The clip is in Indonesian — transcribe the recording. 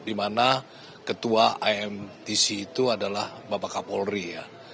dimana ketua imtc itu adalah bapak kapolri ya